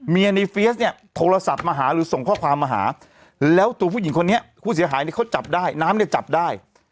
ในเฟียสเนี่ยโทรศัพท์มาหาหรือส่งข้อความมาหาแล้วตัวผู้หญิงคนนี้ผู้เสียหายเนี่ยเขาจับได้น้ำเนี่ยจับได้